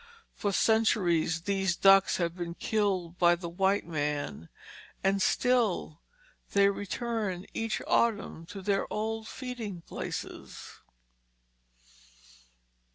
For centuries these ducks have been killed by the white man, and still they return each autumn to their old feeding places.